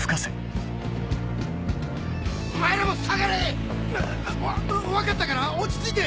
お前らも下がれ！わ分かったから落ち着いて！